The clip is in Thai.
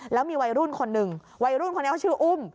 แล้วมีวัยรุ่นคนหนึ่งวัยรุ่นคนนี้เขาชื่ออุ้ม